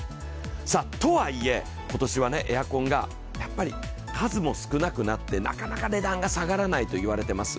さあ、とはいえ今年はエアコンが数も少なくなってなかなか値段が下がらないといわれてます。